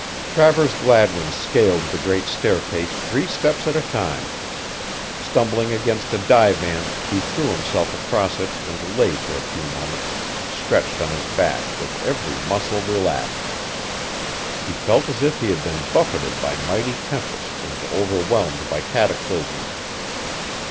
Travers Gladwin scaled the great staircase three steps at a time. Stumbling against a divan he threw himself across it and lay for a few moments stretched on his back with every muscle relaxed. He felt as if he had been buffeted by mighty tempests and overwhelmed by cataclysms.